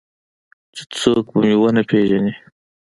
چې څوک به مې ونه پېژني.